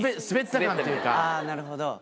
あぁなるほど。